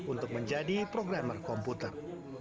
untuk menjadi programmer komputer